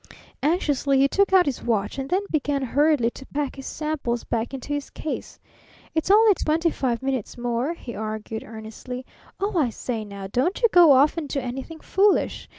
Anxiously he took out his watch, and then began hurriedly to pack his samples back into his case. "It's only twenty five minutes more," he argued earnestly. "Oh, I say now, don't you go off and do anything foolish!